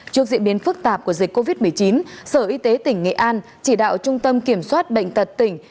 trước diễn biến phức tạp của dịch covid một mươi chín sở y tế tỉnh nghệ an chỉ đạo trung tâm kiểm soát bệnh tật tỉnh